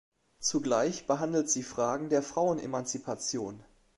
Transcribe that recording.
Zugleich behandelt sie Fragen der Frauenemanzipation.